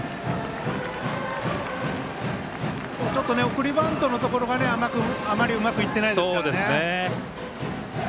ちょっと送りバントがあまりうまくいってないですからね。